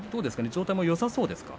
状態もよさそうですか？